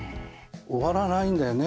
終わらないですよね